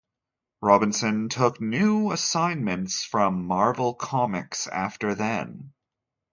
Robinson took new assignments from Marvel Comics after then.